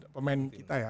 pemain kita ya